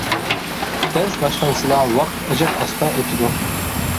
دەرس باشلانسىلا ۋاقىت ئەجەب ئاستا ئۆتىدۇ.